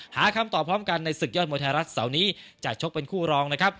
หาคำตอบพร้อมกันในศึกยอดมวยไทยรัฐเสาร์นี้จะชกเป็นคู่รองนะครับ